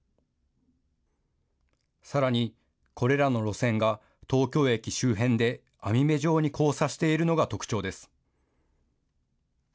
さらに、これらの路線が、東京駅周辺で網目状に交差しているのが特徴です。